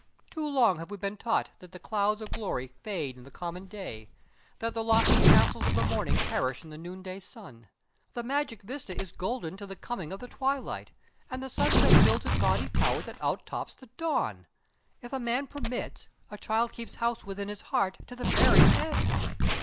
Too long have we been taught that the clouds of glory fade in the common day that the lofty castles of the morning perish in the noon day sun. The magic vista is golden to the coming of the twilight, and the sunset builds a gaudy tower that out tops the dawn. If a man permits, a child keeps house within his heart to the very end.